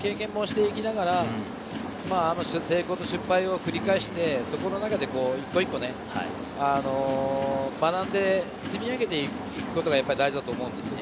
経験をしていきながら成功と失敗を繰り返して、その中で一個一個を学んで、積み上げていくことが大事だと思うんですよ。